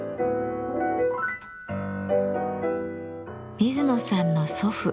水野さんの祖父